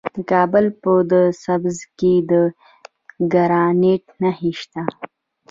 د کابل په ده سبز کې د ګرانیټ نښې شته.